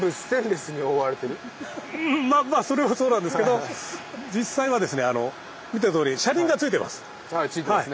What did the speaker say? まあまあそれはそうなんですけど実際はですね見てのとおりはい付いてますね。